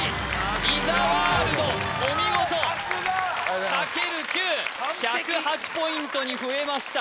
イザワールドお見事かける９１０８ポイントに増えました